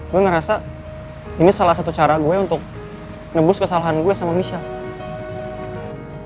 gue ngerasa ini salah satu cara gue untuk nebus kesalahan gue sama michelle